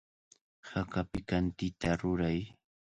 Haka pikantita ruray.